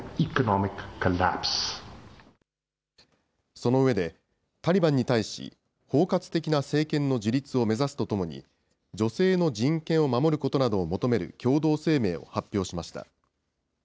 その上で、タリバンに対し、包括的な政権の樹立を目指すとともに、女性の人権を守ることなどを求める共同声明を発表しました。